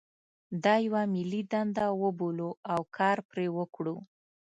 دا یوه ملي دنده وبولو او کار پرې وکړو.